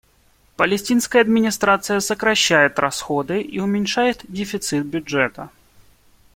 Палестинская администрация сокращает расходы и уменьшает дефицит бюджета.